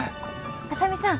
浅見さん。